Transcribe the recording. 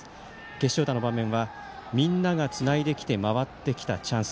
決勝打の場面はみんなでつないで回ってきたチャンス。